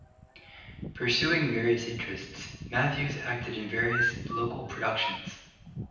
Pursuing various interests, Matthews acted in various local productions.